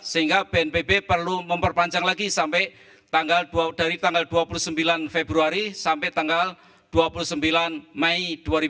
sehingga bnpb perlu memperpanjang lagi sampai dari tanggal dua puluh sembilan februari sampai tanggal dua puluh sembilan mei dua ribu dua puluh